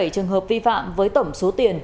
trường hợp vi phạm với tổng số tiền